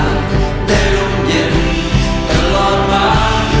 ในร่มเย็นตลอดมา